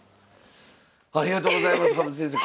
ありがとうございます羽生先生